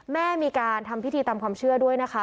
แม่มีการทำพิธีตามความเชื่อด้วยนะคะ